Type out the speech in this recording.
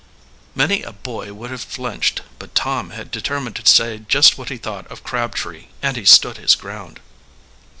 Many a boy would have flinched, but Tom had determined to say just what he thought of Crabtree, and he stood his ground.